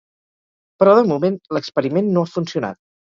Però, de moment, l'experiment no ha funcionat.